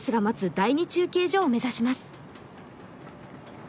第２中継所を目指します。